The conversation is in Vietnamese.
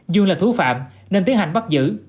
dương là thú phạm nên tiến hành bắt giữ